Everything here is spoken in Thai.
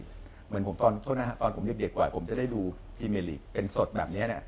เขาเรียกเดกก่อนผมจะได้ดูทีเมลีเป็นสดแบบนี้